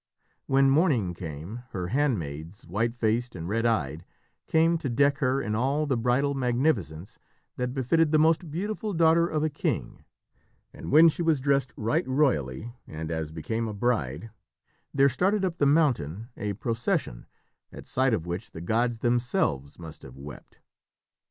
When morning came, her handmaids, white faced and red eyed, came to deck her in all the bridal magnificence that befitted the most beautiful daughter of a king, and when she was dressed right royally, and as became a bride, there started up the mountain a procession at sight of which the gods themselves must have wept.